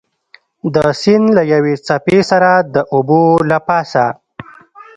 د سیند له یوې څپې سره د اوبو له پاسه.